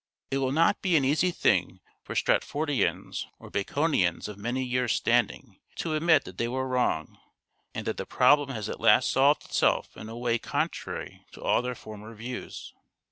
It will not be 498 "SHAKESPEARE" IDENTIFIED an easy thing for Stratfordians or Baconians of many years' standing to admit that they were wrong, and that the problem has at last solved itself in a way contrary to all their former views.